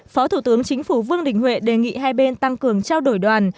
phó thủ tướng chính phủ vương đình huệ đề nghị hai bên tăng cường trao đổi đoàn